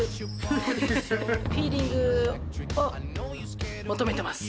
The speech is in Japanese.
フィーリングを求めてます